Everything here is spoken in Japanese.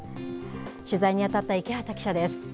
取材に当たった池端記者です。